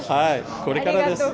これからです。